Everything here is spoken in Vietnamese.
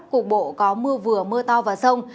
cục bộ có mưa vừa mưa to và rông